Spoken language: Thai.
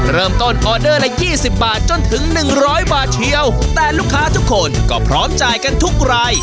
ออเดอร์ละยี่สิบบาทจนถึงหนึ่งร้อยบาทเชียวแต่ลูกค้าทุกคนก็พร้อมจ่ายกันทุกราย